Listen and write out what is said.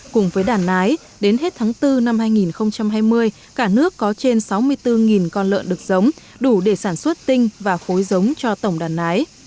cùng với đàn nái đến hết tháng bốn năm hai nghìn hai mươi cả nước có trên sáu mươi bốn con lợn được giống đủ để sản xuất tinh và khối giống cho tổng đàn nái